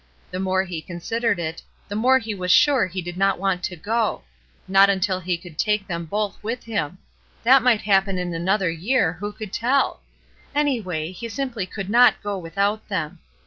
The more he considered it, the more he was sure that he did not want to go — not imtil he could take them both with him; that might happen in another year, who could tell? Any way, he simply could not go without them.